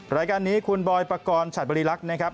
รายการนี้คุณบอยปกรณ์ฉัดบริรักษ์นะครับ